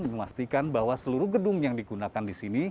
memastikan bahwa seluruh gedung yang digunakan di sini